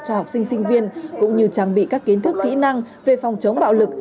cho học sinh sinh viên cũng như trang bị các kiến thức kỹ năng về phòng chống bạo lực